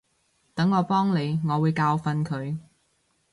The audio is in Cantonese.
等我幫你，我會教訓佢